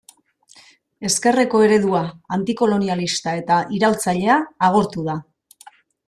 Ezkerreko eredua, antikolonialista eta iraultzailea agortu da.